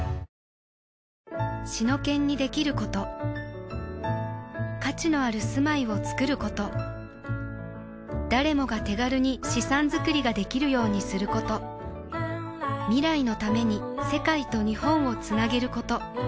シノケンにできること価値のある住まいをつくること誰もが手軽に資産づくりができるようにすること未来のために世界と日本をつなげること